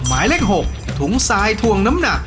ไม้เลข๖ถุงซายทวงน้ำหนัก